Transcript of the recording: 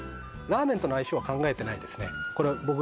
ラーメンとの相性は考えてないですね